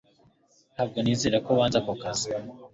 Ntabwo nizera ko wanze ako kazi.